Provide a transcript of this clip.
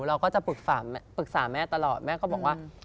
เราก็จะปรึกษาแม่ตลอดแม่ก็บอกว่า